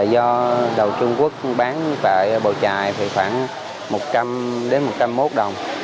do đầu trung quốc bán tại bầu trại khoảng một trăm linh một trăm linh một đồng